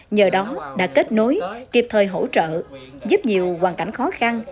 nhờ đó đã kết nối kịp thời hỗ trợ giúp nhiều hoàn cảnh khó khăn